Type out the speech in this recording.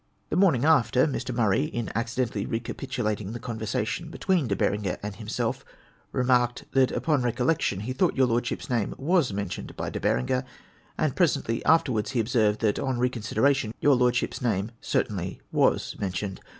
'" The morning after, Mr. Murray, in accidentally recapitu lating the conversation between De Berenger and himself, remarked, that upon recollection he thought your Lordship's name was mentioned by De Berenger, and presently after wards he observed, that, on reconsideration, your Lordship's name certainly was mentioned.